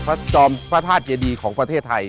จอมพระธาตุเจดีของประเทศไทย